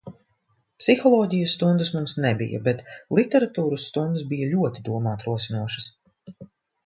Psiholoģijas stundas mums nebija, bet literatūras stundas bija ļoti domāt rosinošas.